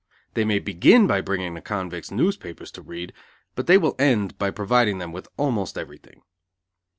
They may begin by bringing the convicts newspapers to read, but they will end by providing them with almost everything.